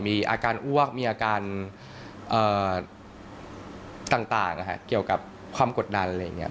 มีอาการอ้วกมีอาการต่างเกี่ยวกับความกดดันอะไรอย่างนี้